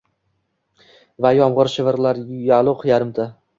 Va yomg‘ir shivirlar yuluq-yarimta: